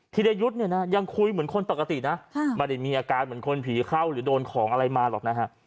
ธิรยุทธ์ยังคุยเหมือนคนปกติมันไม่มีอาการเหมือนคนผีเข้าหรือโดนของอะไรมาหรอก